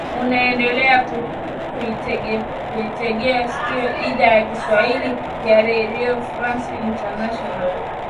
unaendelea kuitegea sikio idhaa ya kiswahili ya redio france internationale